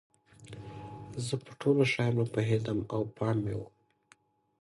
زه په ټولو شیانو پوهیدم او پام مې و.